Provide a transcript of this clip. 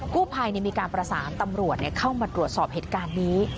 กู้ภัยมีการประสานตำรวจเข้ามาตรวจสอบเหตุการณ์นี้